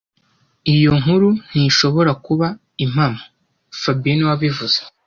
Iyo nkuru ntishobora kuba impamo fabien niwe wabivuze